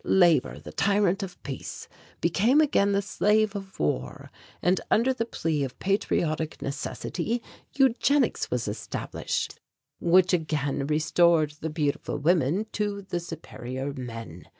Labour, the tyrant of peace, became again the slave of war, and under the plea of patriotic necessity eugenics was established, which again restored the beautiful women to the superior men.